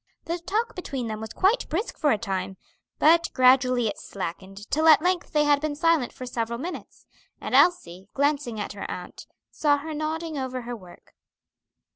The talk between them was quite brisk for a time, but gradually it slackened, till at length they had been silent for several minutes, and Elsie, glancing at her aunt, saw her nodding over her work.